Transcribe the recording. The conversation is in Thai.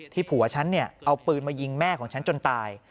ผัวฉันเอาปืนมายิงแม่ของฉันจนตาย